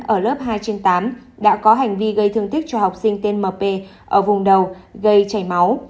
ở lớp hai trên tám đã có hành vi gây thương tích cho học sinh tmp ở vùng đầu gây chảy máu